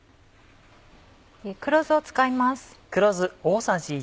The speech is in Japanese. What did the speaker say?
黒酢を使います。